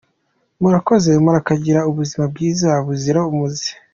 Murakoze, murakagira ubuzima bwiza buzira umuze!.